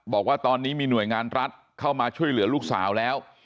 บอกว่าตอนนี้มีหน่วยงานรัฐเข้ามาช่วยเหลือลูกสาวแล้ว